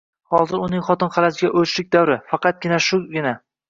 Hozir uning xotin-xalajga o`chlik davri, faqat shugina